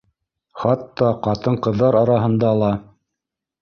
Хатта ҡатын-ҡыҙҙар араһында ла